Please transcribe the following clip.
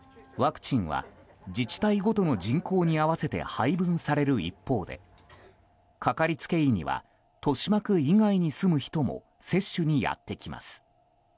ワクチンは、自治体ごとの人口に合わせて配分される一方でかかりつけ医には豊島区以外に住む人も接種にやってきます。